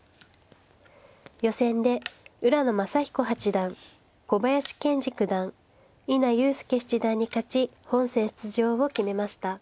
予選で浦野真彦八段小林健二九段伊奈祐介七段に勝ち本戦出場を決めました。